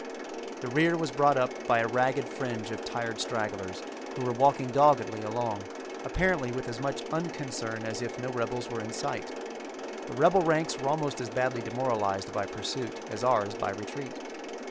The rear was brought up by a ragged fringe of tired stragglers who were walking doggedly along, apparently with as much unconcern as if no rebels were in sight. The rebel ranks were almost as badly demoralized by pursuit as ours by retreat.